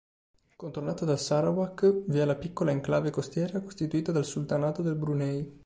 Contornata dal Sarawak vi è la piccola enclave costiera costituita dal sultanato del Brunei.